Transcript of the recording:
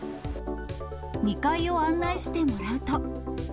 ２階を案内してもらうと。